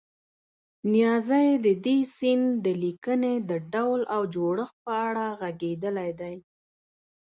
نیازی د دې سیند د لیکنې د ډول او جوړښت په اړه غږېدلی دی.